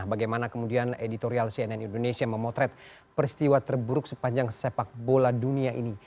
bagaimana kemudian editorial cnn indonesia memotret peristiwa terburuk sepanjang sepak bola dunia ini